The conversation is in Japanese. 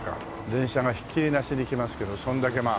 電車がひっきりなしに来ますけどそんだけまあ。